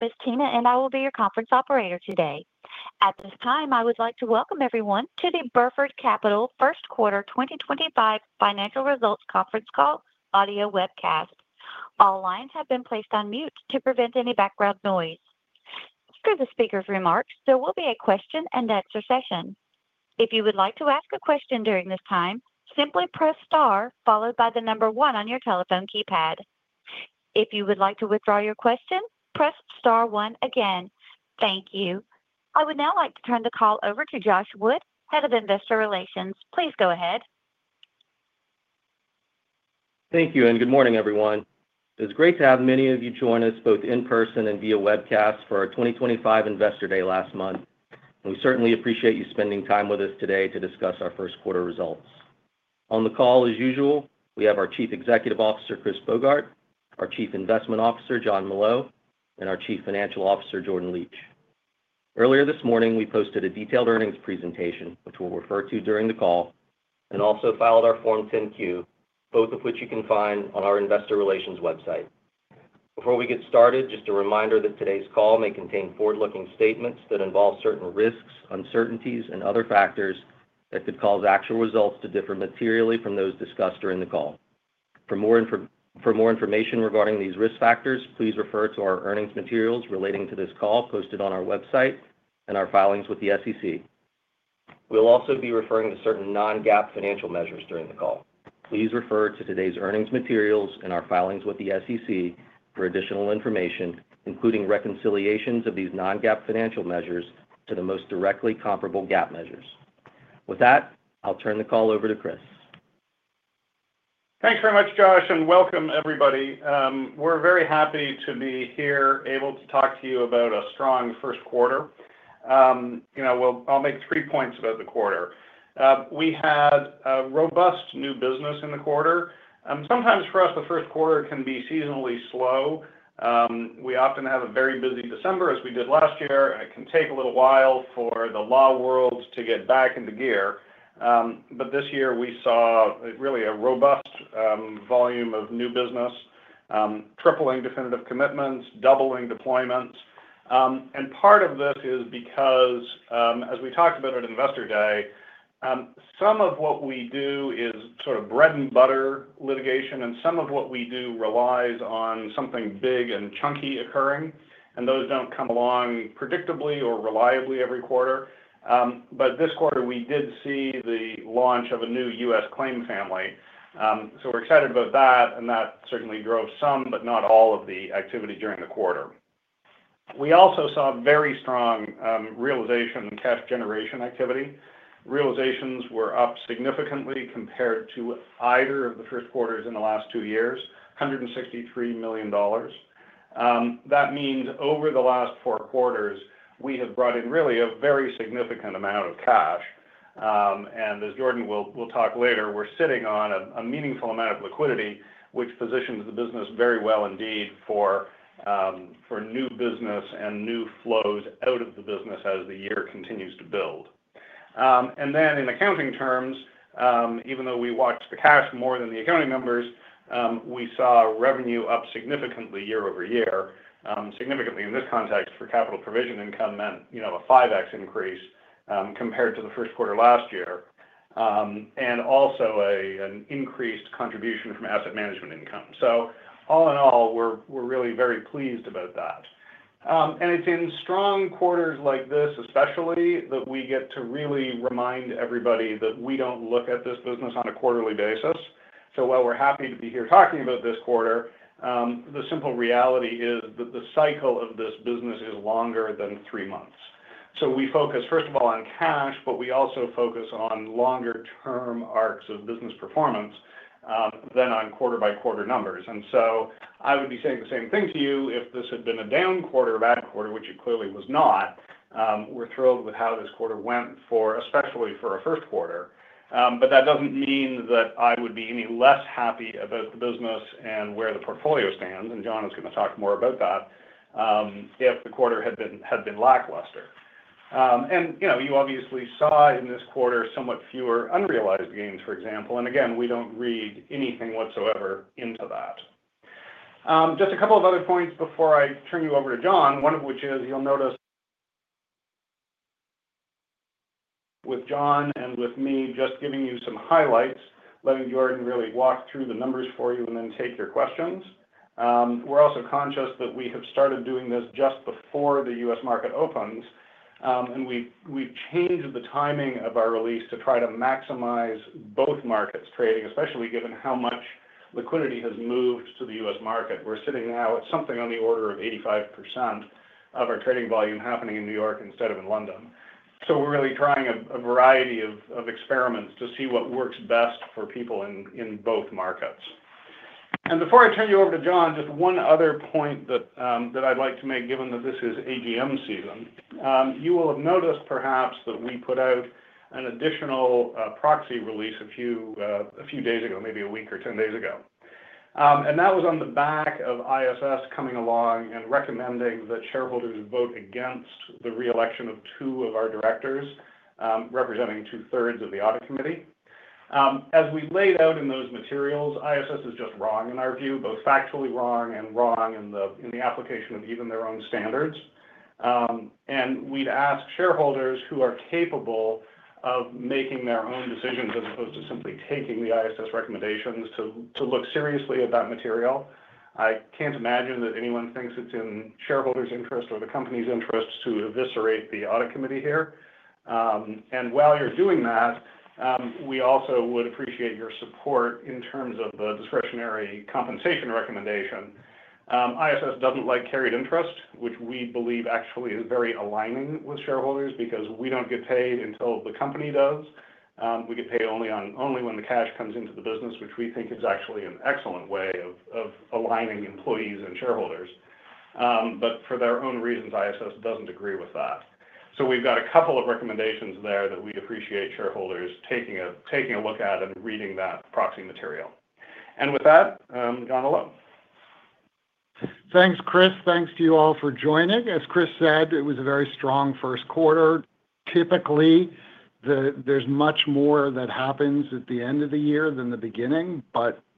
Miss Tina and I will be your conference operator today. At this time, I would like to welcome everyone to the Burford Capital First Quarter 2025 Financial Results Conference Call, audio webcast. All lines have been placed on mute to prevent any background noise. After the speaker's remarks, there will be a question-and-answer session. If you would like to ask a question during this time, simply press star followed by the number one on your telephone keypad. If you would like to withdraw your question, press star one again. Thank you. I would now like to turn the call over to Josh Wood, Head of Investor Relations. Please go ahead. Thank you and good morning, everyone. It's great to have many of you join us both in person and via webcast for our 2025 Investor Day last month. We certainly appreciate you spending time with us today to discuss our first quarter results. On the call, as usual, we have our Chief Executive Officer, Chris Bogart, our Chief Investment Officer, John Malone, and our Chief Financial Officer, Jordan Leach. Earlier this morning, we posted a detailed earnings presentation, which we'll refer to during the call, and also filed our Form 10-Q, both of which you can find on our Investor Relations website. Before we get started, just a reminder that today's call may contain forward-looking statements that involve certain risks, uncertainties, and other factors that could cause actual results to differ materially from those discussed during the call. For more information regarding these risk factors, please refer to our earnings materials relating to this call posted on our website and our filings with the SEC. We'll also be referring to certain non-GAAP financial measures during the call. Please refer to today's earnings materials and our filings with the SEC for additional information, including reconciliations of these non-GAAP financial measures to the most directly comparable GAAP measures. With that, I'll turn the call over to Chris. Thanks very much, Josh, and welcome, everybody. We're very happy to be here able to talk to you about a strong first quarter. I'll make three points about the quarter. We had a robust new business in the quarter. Sometimes for us, the first quarter can be seasonally slow. We often have a very busy December, as we did last year. It can take a little while for the law world to get back into gear. This year, we saw really a robust volume of new business, tripling definitive commitments, doubling deployments. Part of this is because, as we talked about at Investor Day, some of what we do is sort of bread-and-butter litigation, and some of what we do relies on something big and chunky occurring. Those do not come along predictably or reliably every quarter. This quarter, we did see the launch of a new U.S. claim family. We are excited about that. That certainly drove some, but not all, of the activity during the quarter. We also saw very strong realization and cash generation activity. Realizations were up significantly compared to either of the first quarters in the last two years, $163 million. That means over the last four quarters, we have brought in really a very significant amount of cash. As Jordan will talk later, we are sitting on a meaningful amount of liquidity, which positions the business very well indeed for new business and new flows out of the business as the year continues to build. In accounting terms, even though we watch the cash more than the accounting numbers, we saw revenue up significantly year over year. Significantly in this context for capital provision income meant a 5X increase compared to the first quarter last year, and also an increased contribution from asset management income. All in all, we're really very pleased about that. It is in strong quarters like this especially that we get to really remind everybody that we do not look at this business on a quarterly basis. While we're happy to be here talking about this quarter, the simple reality is that the cycle of this business is longer than three months. We focus, first of all, on cash, but we also focus on longer-term arcs of business performance than on quarter-by-quarter numbers. I would be saying the same thing to you. If this had been a down quarter or a bad quarter, which it clearly was not, we're thrilled with how this quarter went, especially for a first quarter. That does not mean that I would be any less happy about the business and where the portfolio stands. Jon is going to talk more about that if the quarter had been lackluster. You obviously saw in this quarter somewhat fewer unrealized gains, for example. Again, we do not read anything whatsoever into that. Just a couple of other points before I turn you over to Jon, one of which is you will notice with Jon and with me just giving you some highlights, letting Jordan really walk through the numbers for you and then take your questions. We are also conscious that we have started doing this just before the U.S. market opens. We have changed the timing of our release to try to maximize both markets trading, especially given how much liquidity has moved to the U.S. market. We are sitting now at something on the order of 85% of our trading volume happening in New York instead of in London. We are really trying a variety of experiments to see what works best for people in both markets. Before I turn you over to Jon, just one other point that I would like to make, given that this is AGM season. You will have noticed, perhaps, that we put out an additional proxy release a few days ago, maybe a week or ten days ago. That was on the back of ISS coming along and recommending that shareholders vote against the reelection of two of our directors, representing 2/3 of the audit committee. As we laid out in those materials, ISS is just wrong in our view, both factually wrong and wrong in the application of even their own standards. We would ask shareholders who are capable of making their own decisions as opposed to simply taking the ISS recommendations to look seriously at that material. I can't imagine that anyone thinks it's in shareholders' interest or the company's interest to eviscerate the audit committee here. While you're doing that, we also would appreciate your support in terms of the discretionary compensation recommendation. ISS doesn't like carried interest, which we believe actually is very aligning with shareholders because we don't get paid until the company does. We get paid only when the cash comes into the business, which we think is actually an excellent way of aligning employees and shareholders. For their own reasons, ISS doesn't agree with that. We've got a couple of recommendations there that we appreciate shareholders taking a look at and reading that proxy material. And with that, Jon Molot. Thanks, Chris. Thanks to you all for joining. As Chris said, it was a very strong first quarter. Typically, there is much more that happens at the end of the year than the beginning.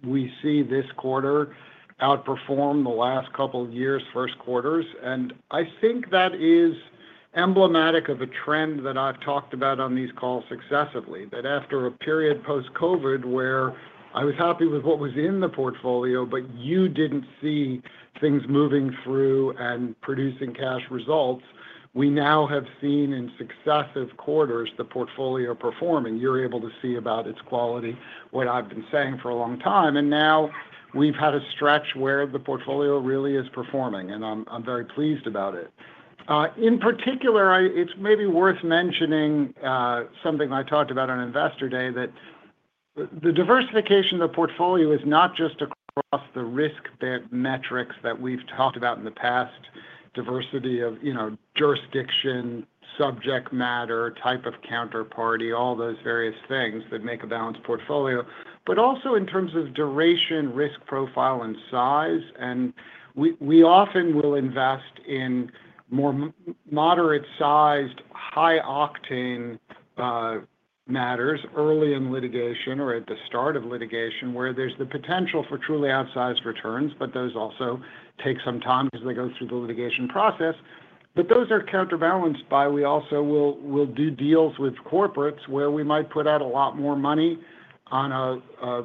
We see this quarter outperform the last couple of years' first quarters. I think that is emblematic of a trend that I have talked about on these calls successively, that after a period post-COVID where I was happy with what was in the portfolio, but you did not see things moving through and producing cash results, we now have seen in successive quarters the portfolio performing. You are able to see about its quality what I have been saying for a long time. We have had a stretch where the portfolio really is performing. I am very pleased about it. In particular, it's maybe worth mentioning something I talked about on Investor Day, that the diversification of the portfolio is not just across the risk metrics that we've talked about in the past, diversity of jurisdiction, subject matter, type of counterparty, all those various things that make a balanced portfolio, but also in terms of duration, risk profile, and size. We often will invest in more moderate-sized, high-octane matters early in litigation or at the start of litigation where there's the potential for truly outsized returns, but those also take some time as they go through the litigation process. Those are counterbalanced by we also will do deals with corporates where we might put out a lot more money on a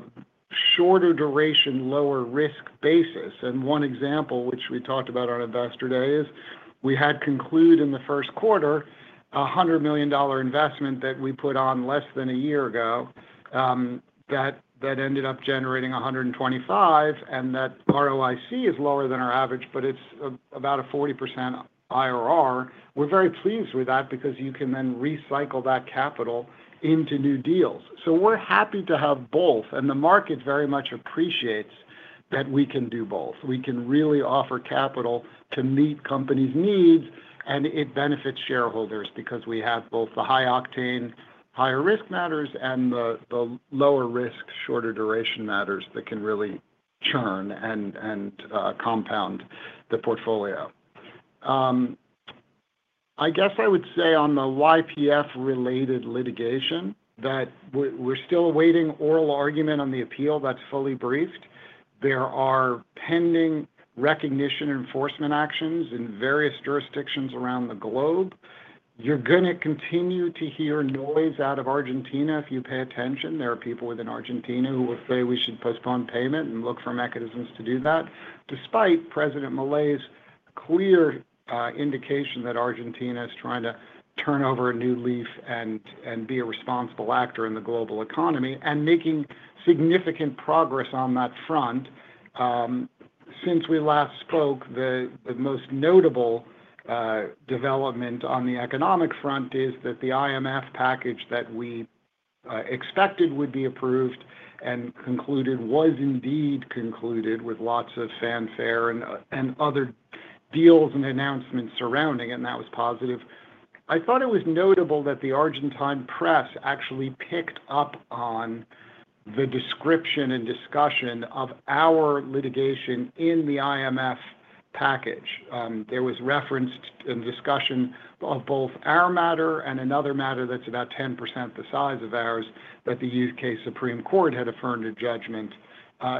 shorter duration, lower risk basis. One example, which we talked about on Investor Day, is we had concluded in the first quarter a $100 million investment that we put on less than a year ago that ended up generating $125 million, and that ROIC is lower than our average, but it's about a 40% IRR. We're very pleased with that because you can then recycle that capital into new deals. We're happy to have both. The market very much appreciates that we can do both. We can really offer capital to meet companies' needs. It benefits shareholders because we have both the high-octane, higher risk matters, and the lower risk, shorter duration matters that can really churn and compound the portfolio. I guess I would say on the YPF-related litigation that we're still awaiting oral argument on the appeal that's fully briefed. There are pending recognition enforcement actions in various jurisdictions around the globe. You're going to continue to hear noise out of Argentina if you pay attention. There are people within Argentina who will say we should postpone payment and look for mechanisms to do that, despite President Milei's clear indication that Argentina is trying to turn over a new leaf and be a responsible actor in the global economy and making significant progress on that front. Since we last spoke, the most notable development on the economic front is that the IMF package that we expected would be approved and concluded was indeed concluded with lots of fanfare and other deals and announcements surrounding it. That was positive. I thought it was notable that the Argentine press actually picked up on the description and discussion of our litigation in the IMF package. There was reference and discussion of both our matter and another matter that is about 10% the size of ours that the U.K. Supreme Court had affirmed a judgment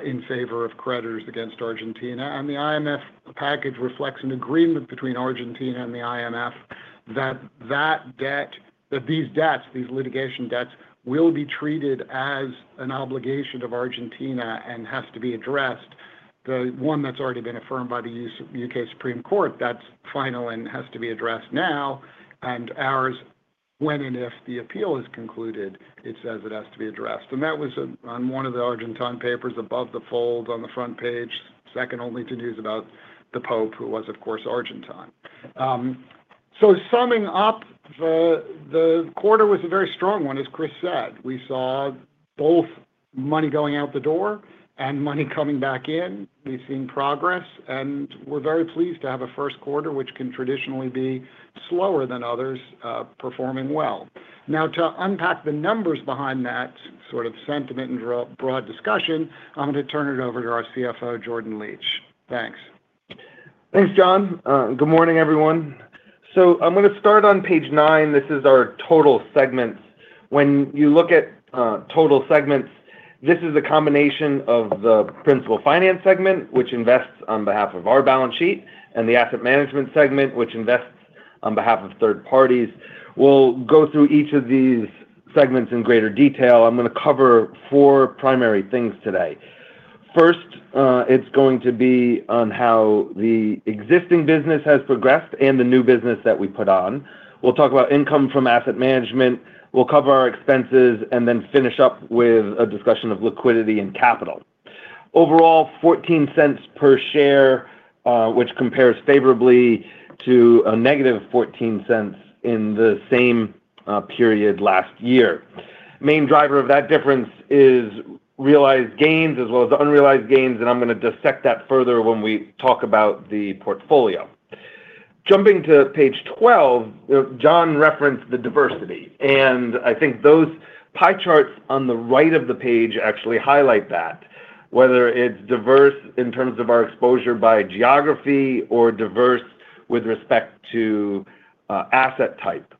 in favor of creditors against Argentina. The IMF package reflects an agreement between Argentina and the IMF that these debts, these litigation debts, will be treated as an obligation of Argentina and has to be addressed. The one that has already been affirmed by the U.K. Supreme Court, that is final and has to be addressed now. Ours, when and if the appeal is concluded, it says it has to be addressed. That was on one of the Argentine papers above the fold on the front page, second only to news about the Pope, who was, of course, Argentine. Summing up, the quarter was a very strong one, as Chris said. We saw both money going out the door and money coming back in. We have seen progress. We are very pleased to have a first quarter, which can traditionally be slower than others, performing well. Now, to unpack the numbers behind that sort of sentiment and broad discussion, I am going to turn it over to our CFO, Jordan Leach. Thanks. Thanks, John. Good morning, everyone. I'm going to start on page nine. This is our total segments. When you look at total segments, this is a combination of the principal finance segment, which invests on behalf of our balance sheet, and the asset management segment, which invests on behalf of third parties. We'll go through each of these segments in greater detail. I'm going to cover four primary things today. First, it's going to be on how the existing business has progressed and the new business that we put on. We'll talk about income from asset management. We'll cover our expenses and then finish up with a discussion of liquidity and capital. Overall, $0.14 per share, which compares favorably to a negative $0.14 in the same period last year. Main driver of that difference is realized gains as well as unrealized gains. I'm going to dissect that further when we talk about the portfolio. Jumping to page 12, Jon referenced the diversity. I think those pie charts on the right of the page actually highlight that, whether it's diverse in terms of our exposure by geography or diverse with respect to asset type.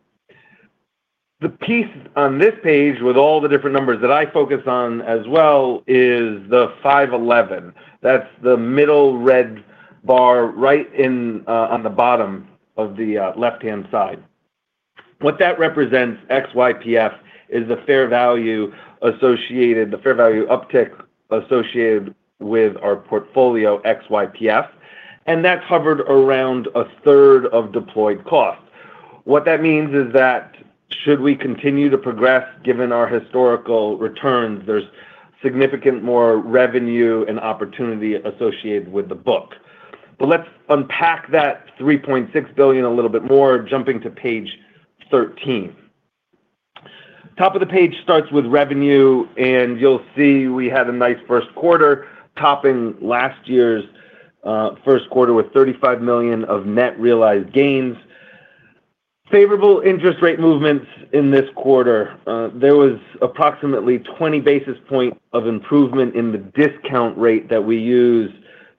The piece on this page with all the different numbers that I focus on as well is the $511 million. That's the middle red bar right on the bottom of the left-hand side. What that represents, ex-YPF, is the fair value associated, the fair value uptick associated with our portfolio, ex-YPF. That's hovered around a 1/3 of deployed cost. What that means is that should we continue to progress, given our historical returns, there's significant more revenue and opportunity associated with the book. Let's unpack that $3.6 billion a little bit more, jumping to page 13. Top of the page starts with revenue. You'll see we had a nice first quarter, topping last year's first quarter with $35 million of net realized gains. Favorable interest rate movements in this quarter. There was approximately 20 bps of improvement in the discount rate that we use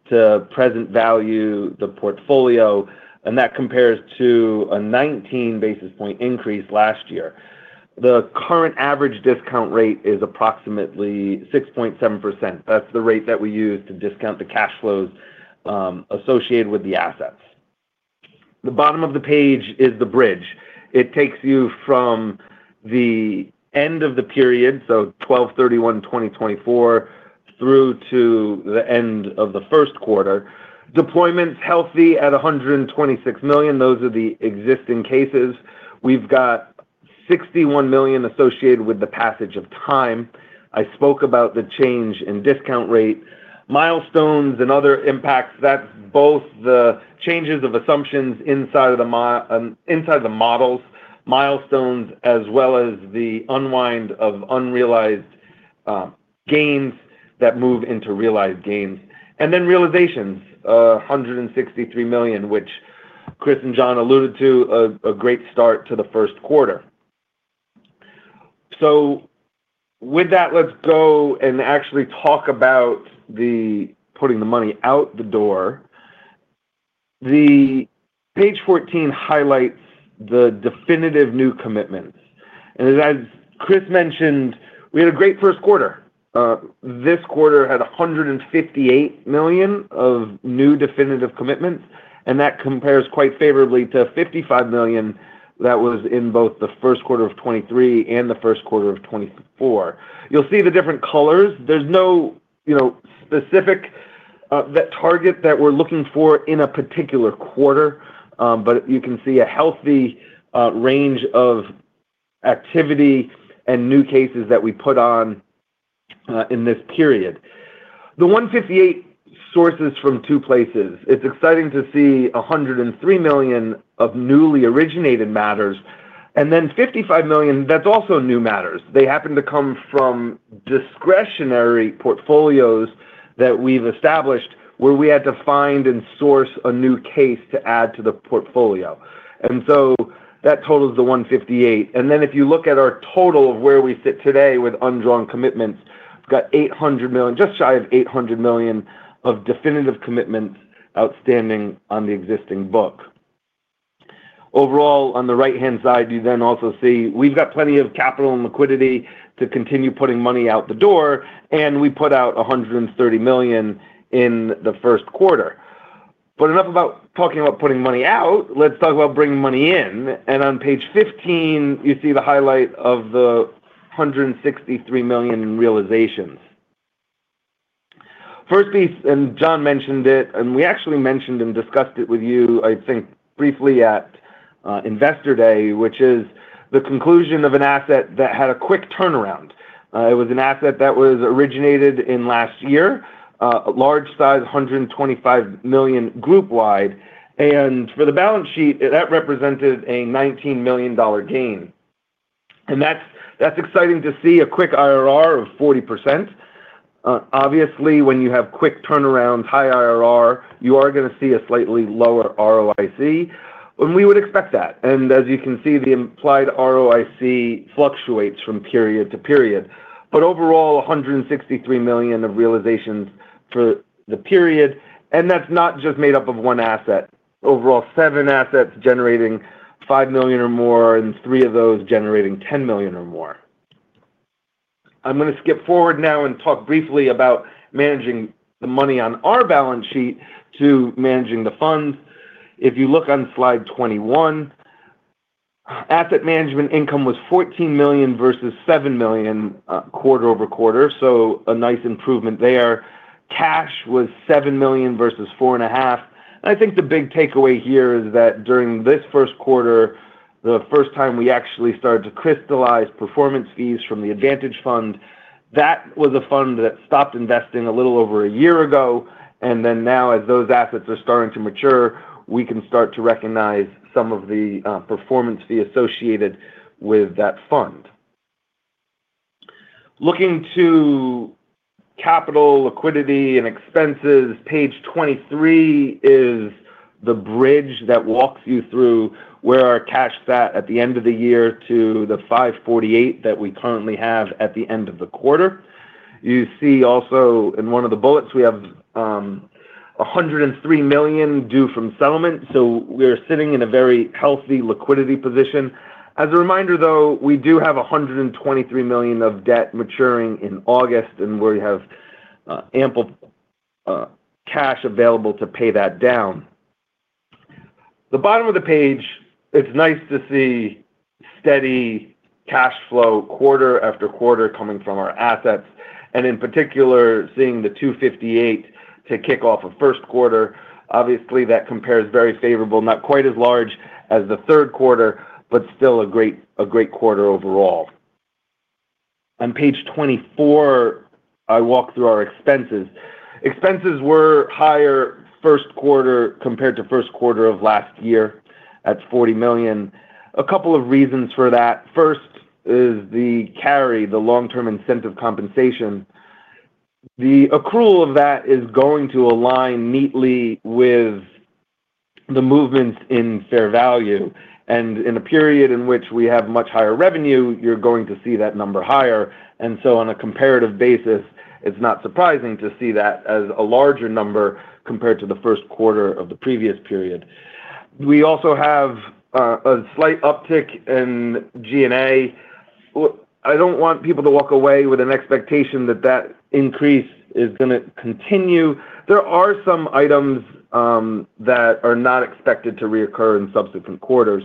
to present value the portfolio. That compares to a 19 bp increase last year. The current average discount rate is approximately 6.7%. That's the rate that we use to discount the cash flows associated with the assets. The bottom of the page is the bridge. It takes you from the end of the period, so December 31, 2024, through to the end of the first quarter. Deployment's healthy at $126 million. Those are the existing cases. We've got $61 million associated with the passage of time. I spoke about the change in discount rate, milestones, and other impacts. That's both the changes of assumptions inside the models, milestones, as well as the unwind of unrealized gains that move into realized gains. Realizations, $163 million, which Chris and Jon alluded to, a great start to the first quarter. With that, let's go and actually talk about putting the money out the door. Page 14 highlights the definitive new commitments. As Chris mentioned, we had a great first quarter. This quarter had $158 million of new definitive commitments. That compares quite favorably to $55 million that was in both the first quarter of 2023 and the first quarter of 2024. You'll see the different colors. There's no specific target that we're looking for in a particular quarter. You can see a healthy range of activity and new cases that we put on in this period. The $158 million sources from two places. It's exciting to see $103 million of newly originated matters. And then $55 million, that's also new matters. They happen to come from discretionary portfolios that we've established where we had to find and source a new case to add to the portfolio. And so that totals the $158 million. And then if you look at our total of where we sit today with undrawn commitments, we've got just shy of $800 million of definitive commitments outstanding on the existing book. Overall, on the right-hand side, you then also see we've got plenty of capital and liquidity to continue putting money out the door. And we put out $130 million in the first quarter. But enough about talking about putting money out. Let's talk about bringing money in. And on page 15, you see the highlight of the $163 million in realizations. First piece, and Jon mentioned it, and we actually mentioned and discussed it with you, I think, briefly at Investor Day, which is the conclusion of an asset that had a quick turnaround. It was an asset that was originated in last year, a large size, $125 million group wide. For the balance sheet, that represented a $19 million gain. That's exciting to see a quick IRR of 40%. Obviously, when you have quick turnarounds, high IRR, you are going to see a slightly lower ROIC. We would expect that. As you can see, the implied ROIC fluctuates from period to period. Overall, $163 million of realizations for the period. That's not just made up of one asset. Overall, seven assets generating $5 million or more and three of those generating $10 million or more. I'm going to skip forward now and talk briefly about managing the money on our balance sheet to managing the funds. If you look on slide 21, asset management income was $14 million versus $7 million quarter over quarter, so a nice improvement there. Cash was $7 million versus $4.5 million. I think the big takeaway here is that during this first quarter, the first time we actually started to crystallize performance fees from the Advantage Fund, that was a fund that stopped investing a little over a year ago. Now, as those assets are starting to mature, we can start to recognize some of the performance fee associated with that fund. Looking to capital, liquidity, and expenses, page 23 is the bridge that walks you through where our cash sat at the end of the year to the $548 million that we currently have at the end of the quarter. You see also in one of the bullets, we have $103 million due from settlement. We are sitting in a very healthy liquidity position. As a reminder, though, we do have $123 million of debt maturing in August and we have ample cash available to pay that down. At the bottom of the page, it is nice to see steady cash flow quarter after quarter coming from our assets. In particular, seeing the $258 million to kick off a first quarter, obviously, that compares very favorably, not quite as large as the third quarter, but still a great quarter overall. On page 24, I walk through our expenses. Expenses were higher first quarter compared to first quarter of last year at $40 million. A couple of reasons for that. First is the CARI, the long-term incentive compensation. The accrual of that is going to align neatly with the movements in fair value. In a period in which we have much higher revenue, you're going to see that number higher. On a comparative basis, it's not surprising to see that as a larger number compared to the first quarter of the previous period. We also have a slight uptick in G&A. I don't want people to walk away with an expectation that that increase is going to continue. There are some items that are not expected to reoccur in subsequent quarters.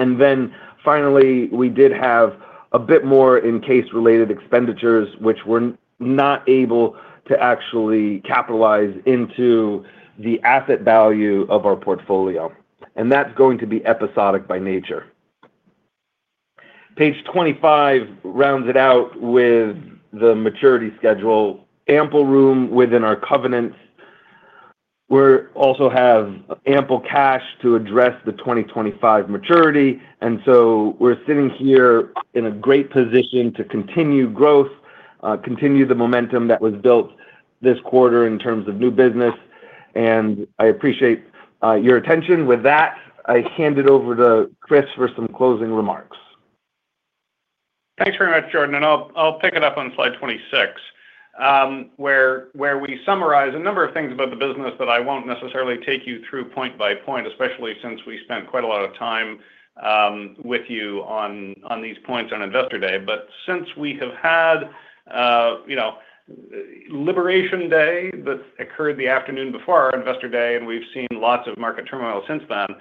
We did have a bit more in case-related expenditures, which were not able to actually capitalize into the asset value of our portfolio. That is going to be episodic by nature. Page 25 rounds it out with the maturity schedule, ample room within our covenants. We also have ample cash to address the 2025 maturity. We are sitting here in a great position to continue growth, continue the momentum that was built this quarter in terms of new business. I appreciate your attention. With that, I hand it over to Chris for some closing remarks. Thanks very much, Jordan. I will pick it up on slide 26, where we summarize a number of things about the business that I will not necessarily take you through point by point, especially since we spent quite a lot of time with you on these points on Investor Day. Since we have had Liberation Day that occurred the afternoon before our Investor Day, and we have seen lots of market turmoil since then,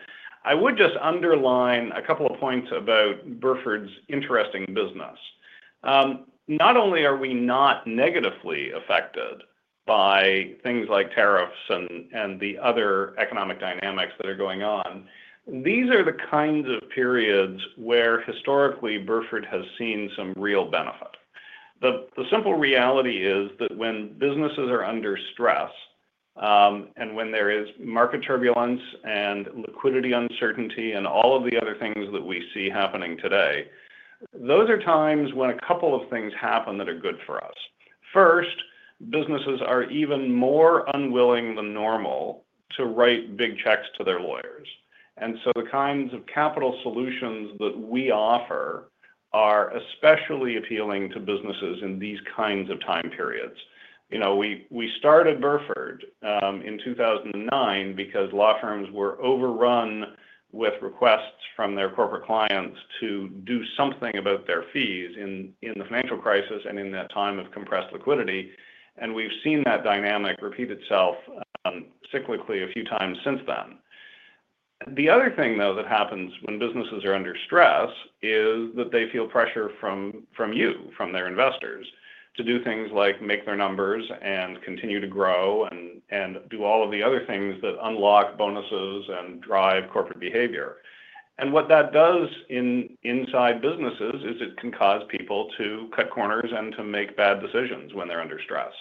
I would just underline a couple of points about Burford's interesting business. Not only are we not negatively affected by things like tariffs and the other economic dynamics that are going on, these are the kinds of periods where historically Burford has seen some real benefit. The simple reality is that when businesses are under stress and when there is market turbulence and liquidity uncertainty and all of the other things that we see happening today, those are times when a couple of things happen that are good for us. First, businesses are even more unwilling than normal to write big checks to their lawyers. The kinds of capital solutions that we offer are especially appealing to businesses in these kinds of time periods. We started Burford in 2009 because law firms were overrun with requests from their corporate clients to do something about their fees in the financial crisis and in that time of compressed liquidity. We have seen that dynamic repeat itself cyclically a few times since then. The other thing, though, that happens when businesses are under stress is that they feel pressure from you, from their investors, to do things like make their numbers and continue to grow and do all of the other things that unlock bonuses and drive corporate behavior. What that does inside businesses is it can cause people to cut corners and to make bad decisions when they're under stress.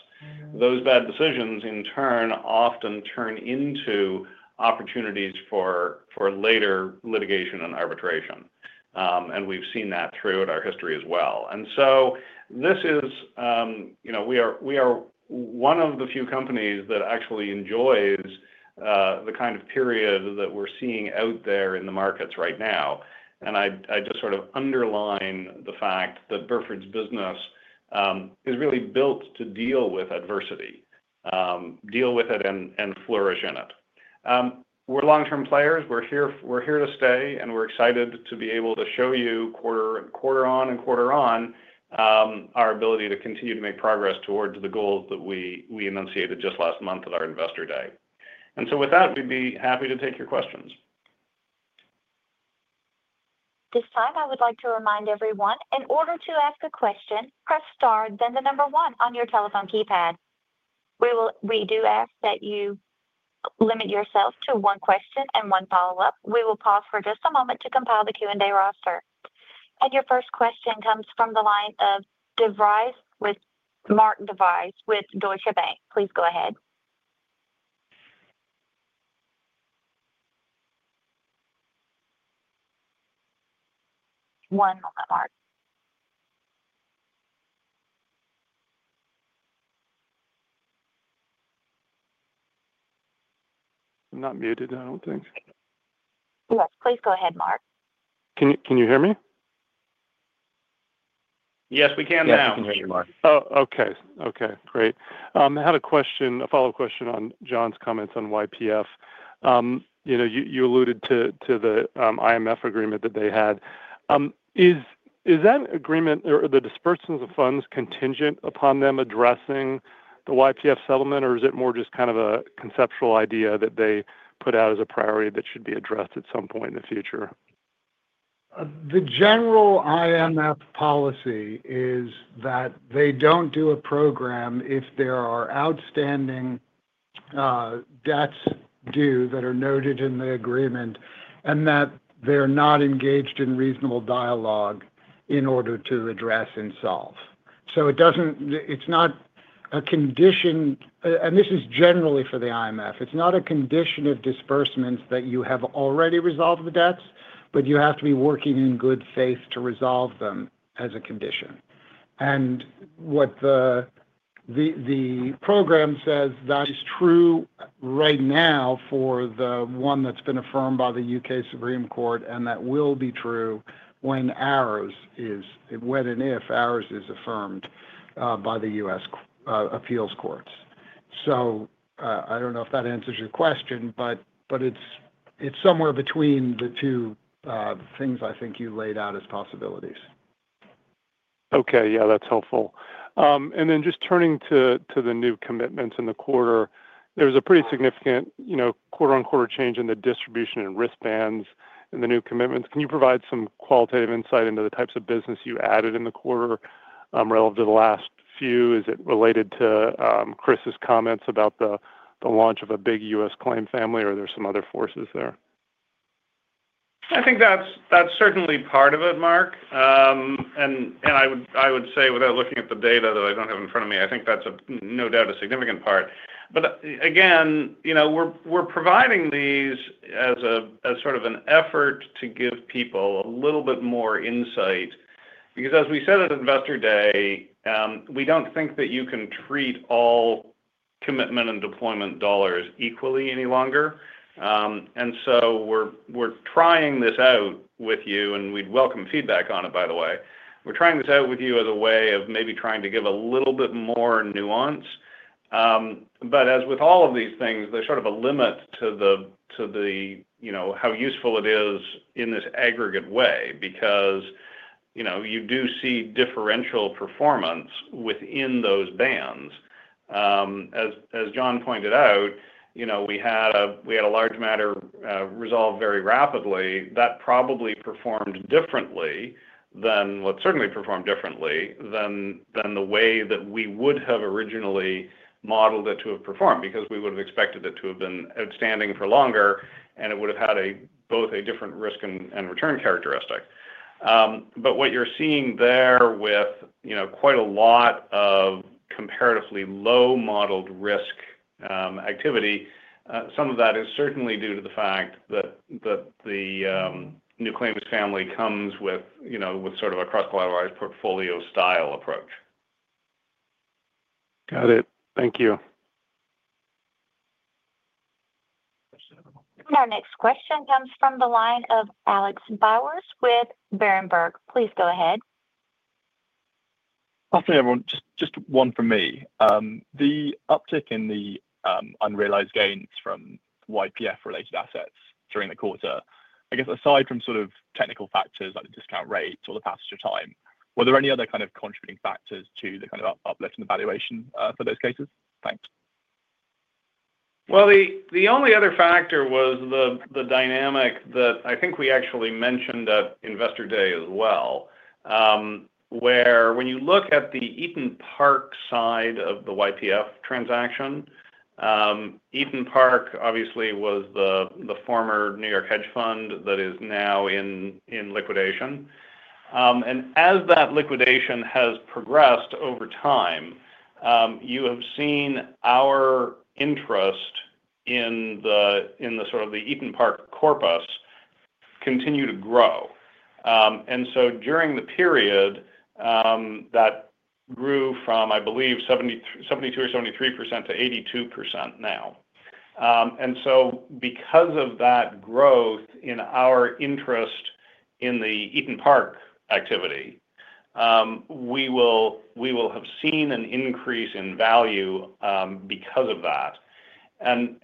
Those bad decisions, in turn, often turn into opportunities for later litigation and arbitration. We've seen that throughout our history as well. This is we are one of the few companies that actually enjoys the kind of period that we're seeing out there in the markets right now. I just sort of underline the fact that Burford's business is really built to deal with adversity, deal with it, and flourish in it. We're long-term players. We're here to stay. We're excited to be able to show you quarter on quarter our ability to continue to make progress towards the goals that we enunciated just last month at our Investor Day. With that, we'd be happy to take your questions. This time, I would like to remind everyone, in order to ask a question, press star, then the number one on your telephone keypad. We do ask that you limit yourself to one question and one follow-up. We will pause for just a moment to compile the Q&A roster. Your first question comes from the line of Martin Device with Deutsche Bank. Please go ahead. One moment, Matt. I'm not muted, I don't think. Yes, please go ahead, Matt. Can you hear me? Yes, we can now. Yes, I can hear you, Matt. Oh, okay. Okay, great. I had a follow-up question on Jon's comments on YPF. You alluded to the IMF agreement that they had. Is that agreement, or the dispersal of funds, contingent upon them addressing the YPF settlement, or is it more just kind of a conceptual idea that they put out as a priority that should be addressed at some point in the future? The general IMF policy is that they don't do a program if there are outstanding debts due that are noted in the agreement and that they're not engaged in reasonable dialogue in order to address and solve. It's not a condition, and this is generally for the IMF. It's not a condition of disbursements that you have already resolved the debts, but you have to be working in good faith to resolve them as a condition. What the program says that is true right now for the one that's been affirmed by the U.K. Supreme Court, and that will be true when and if ARIS is affirmed by the U.S. appeals courts. I don't know if that answers your question, but it's somewhere between the two things I think you laid out as possibilities. Okay, yeah, that's helpful. Then just turning to the new commitments in the quarter, there was a pretty significant quarter-on-quarter change in the distribution and risk bands in the new commitments. Can you provide some qualitative insight into the types of business you added in the quarter relative to the last few? Is it related to Chris's comments about the launch of a big U.S. claim family, or are there some other forces there? I think that's certainly part of it, Mark. I would say, without looking at the data that I don't have in front of me, I think that's no doubt a significant part. Again, we're providing these as sort of an effort to give people a little bit more insight. As we said at Investor Day, we don't think that you can treat all commitment and deployment dollars equally any longer. We're trying this out with you, and we'd welcome feedback on it, by the way. We're trying this out with you as a way of maybe trying to give a little bit more nuance. As with all of these things, there's sort of a limit to how useful it is in this aggregate way because you do see differential performance within those bands. As Jon pointed out, we had a large matter resolved very rapidly that probably performed differently than what certainly performed differently than the way that we would have originally modeled it to have performed because we would have expected it to have been outstanding for longer, and it would have had both a different risk and return characteristic. What you're seeing there with quite a lot of comparatively low-modeled risk activity, some of that is certainly due to the fact that the new claims family comes with sort of a cross-collateralized portfolio style approach. Got it. Thank you. Our next question comes from the line of Alex Bowers with Berenberg. Please go ahead. Hi, everyone. Just one from me. The uptick in the unrealized gains from YPF-related assets during the quarter, I guess aside from sort of technical factors like the discount rates or the passage of time, were there any other kind of contributing factors to the kind of uplift in the valuation for those cases? Thanks. The only other factor was the dynamic that I think we actually mentioned at Investor Day as well, where when you look at the Eton Park side of the YPF transaction, Eton Park obviously was the former New York hedge fund that is now in liquidation. As that liquidation has progressed over time, you have seen our interest in the sort of the Eton Park corpus continue to grow. During the period that grew from, I believe, 72% or 73% to 82% now. Because of that growth in our interest in the Eton Park activity, we will have seen an increase in value because of that.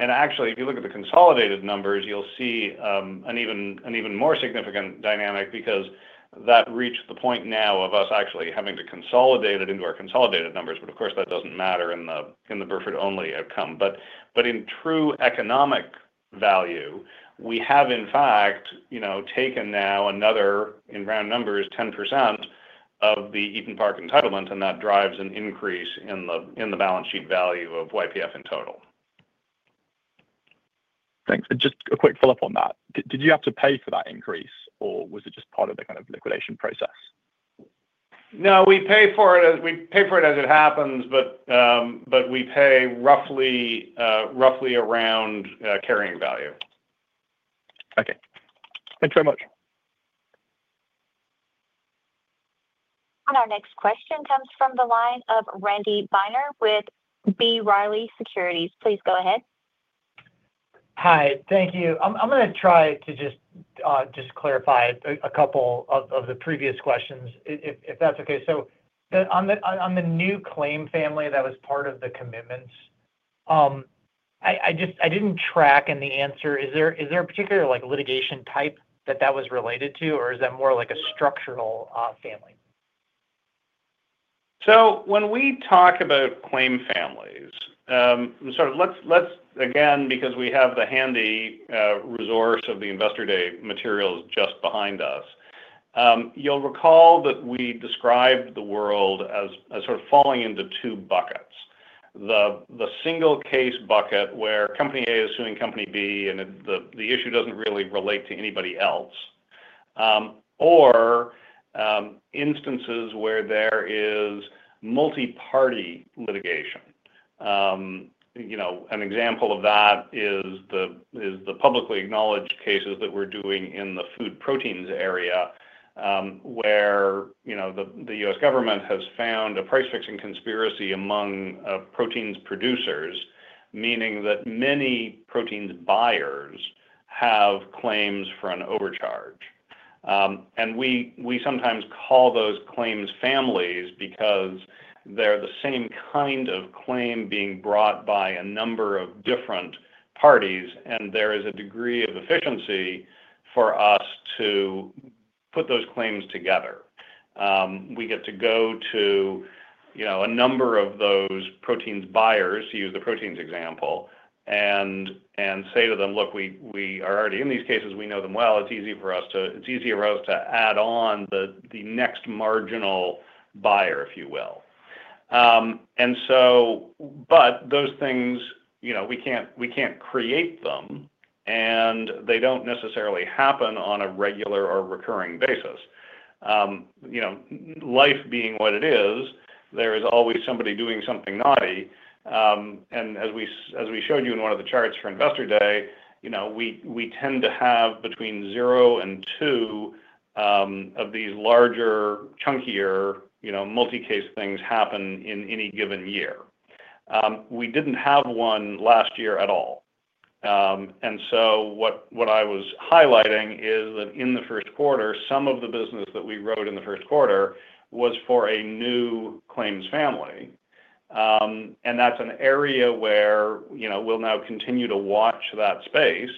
Actually, if you look at the consolidated numbers, you will see an even more significant dynamic because that reached the point now of us actually having to consolidate it into our consolidated numbers. Of course, that doesn't matter in the Burford-only outcome. In true economic value, we have in fact taken now another, in round numbers, 10% of the Eton Park entitlement, and that drives an increase in the balance sheet value of YPF in total. Thanks. Just a quick follow-up on that. Did you have to pay for that increase, or was it just part of the kind of liquidation process? No, we pay for it as it happens, but we pay roughly around carrying value. Okay. Thanks very much. Our next question comes from the line of Randy Binner with B. Riley Securities. Please go ahead. Hi, thank you. I'm going to try to just clarify a couple of the previous questions, if that's okay. On the new claim family that was part of the commitments, I didn't track in the answer. Is there a particular litigation type that that was related to, or is that more like a structural family? When we talk about claim families, again, because we have the handy resource of the Investor Day materials just behind us, you'll recall that we described the world as sort of falling into two buckets: the single-case bucket where Company A is suing Company B, and the issue does not really relate to anybody else, or instances where there is multi-party litigation. An example of that is the publicly acknowledged cases that we're doing in the food proteins area, where the U.S. government has found a price-fixing conspiracy among proteins producers, meaning that many proteins buyers have claims for an overcharge. We sometimes call those claims families because they're the same kind of claim being brought by a number of different parties, and there is a degree of efficiency for us to put those claims together. We get to go to a number of those proteins buyers, to use the proteins example, and say to them, "Look, we are already in these cases. We know them well. It's easy for us to, it's easier for us to add on the next marginal buyer, if you will." Those things, we can't create them, and they don't necessarily happen on a regular or recurring basis. Life being what it is, there is always somebody doing something naughty. As we showed you in one of the charts for Investor Day, we tend to have between zero and two of these larger, chunkier multi-case things happen in any given year. We didn't have one last year at all. What I was highlighting is that in the first quarter, some of the business that we wrote in the first quarter was for a new claims family. That's an area where we'll now continue to watch that space.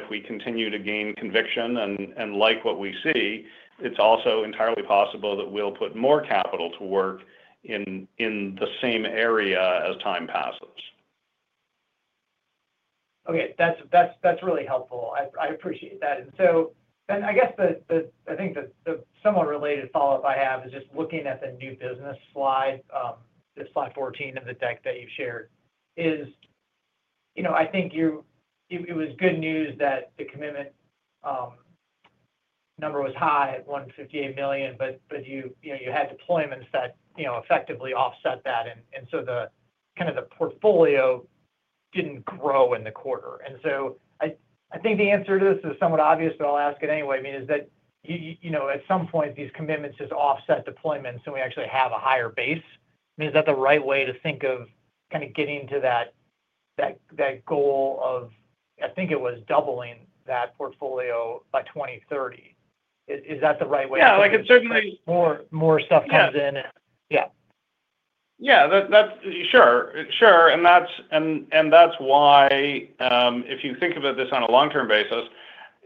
If we continue to gain conviction and like what we see, it's also entirely possible that we'll put more capital to work in the same area as time passes. Okay. That's really helpful. I appreciate that. And so then I guess I think the somewhat related follow-up I have is just looking at the new business slide, this slide 14 of the deck that you've shared, is I think it was good news that the commitment number was high at $158 million, but you had deployments that effectively offset that. And so kind of the portfolio did not grow in the quarter. And so I think the answer to this is somewhat obvious, but I'll ask it anyway. I mean, is that at some point, these commitments just offset deployments, and we actually have a higher base? I mean, is that the right way to think of kind of getting to that goal of, I think it was doubling that portfolio by 2030? Is that the right way to think of it? Yeah, like it certainly. More stuff comes in. Yeah. Yeah, sure. Sure. If you think about this on a long-term basis,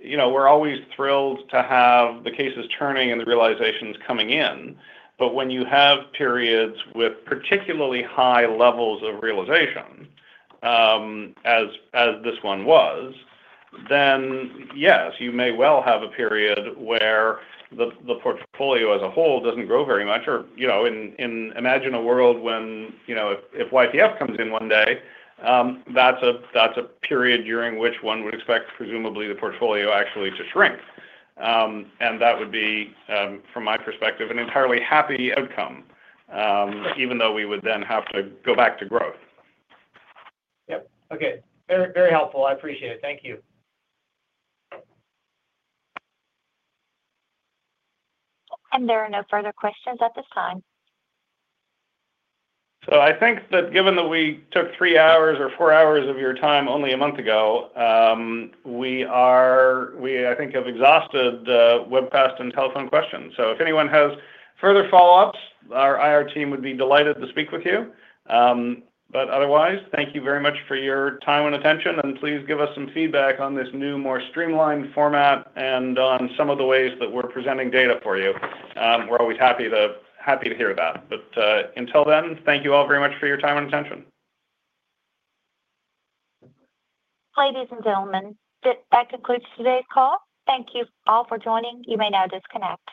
we're always thrilled to have the cases turning and the realizations coming in. When you have periods with particularly high levels of realization, as this one was, yes, you may well have a period where the portfolio as a whole does not grow very much. Imagine a world when if YPF comes in one day, that is a period during which one would expect presumably the portfolio actually to shrink. That would be, from my perspective, an entirely happy outcome, even though we would then have to go back to growth. Yep. Okay. Very helpful. I appreciate it. Thank you. There are no further questions at this time. I think that given that we took three hours or four hours of your time only a month ago, we are, I think, have exhausted the webcast and telephone questions. If anyone has further follow-ups, our IR team would be delighted to speak with you. Otherwise, thank you very much for your time and attention. Please give us some feedback on this new, more streamlined format and on some of the ways that we're presenting data for you. We're always happy to hear that. Until then, thank you all very much for your time and attention. Ladies and gentlemen, that concludes today's call. Thank you all for joining. You may now disconnect.